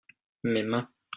mes mains.